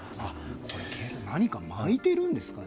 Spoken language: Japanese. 拳銃に何か巻いているんですかね。